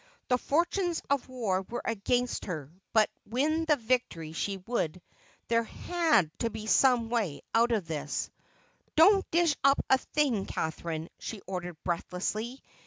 The fortunes of war were against her, but win the victory she would. There had to be some way out of this! "Don't dish up a thing, Catherine," she ordered breathlessly.